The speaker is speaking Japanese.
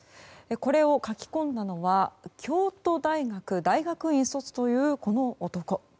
これを書き込んだのは京都大学大学院卒というこの男。